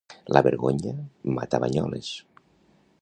La vergonya mata Banyoles